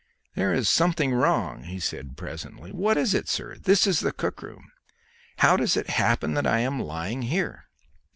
"There is something wrong," said he presently. "What is it, sir? This is the cook room. How does it happen that I am lying here?"